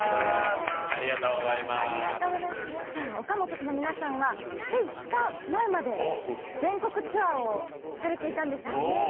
’Ｓの皆さんはつい２日前まで全国ツアーをされていたんですよね。